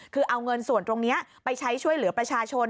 คือเอาเงินส่วนตรงนี้ไปใช้ช่วยเหลือประชาชน